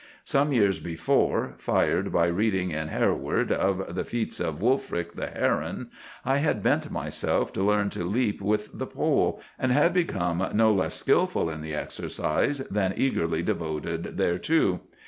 Some years before, fired by reading in Hereward of the feats of 'Wulfric the Heron,' I had bent myself to learn to leap with the pole, and had become no less skilful in the exercise than eagerly devoted thereto.